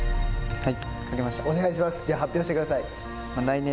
はい。